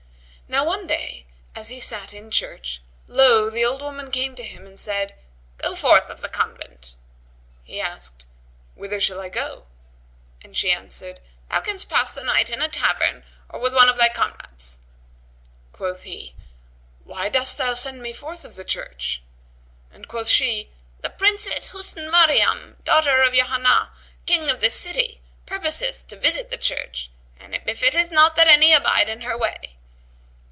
Now one day as he sat in church, lo! the old woman came to him and said, "Go forth of the convent." He asked, "Whither shall I go?" and she answered, "Thou canst pass the night in a tavern or with one of thy comrades." Quoth he, "Why dost thou send me forth of the church?" and quote she, "The Princess Husn Maryam, daughter of Yohannб,[FN#121] King of this city, purposeth to visit the church and it befitteth not that any abide in her way."